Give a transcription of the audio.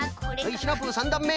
シナプー３だんめ。